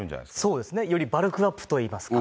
そうですね、よりバルクアップといいますか。